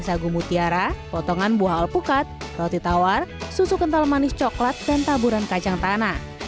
sagu mutiara potongan buah alpukat roti tawar susu kental manis coklat dan taburan kacang tanah